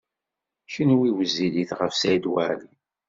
Kenwi wezzilit ɣef Saɛid Waɛli.